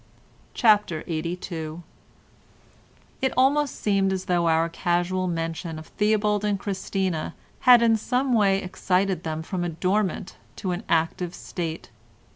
CHAPTER LXXXII It almost seemed as though our casual mention of Theobald and Christina had in some way excited them from a dormant to an active state.